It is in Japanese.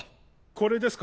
これですか？